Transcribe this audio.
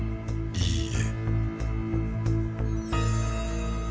いいえ。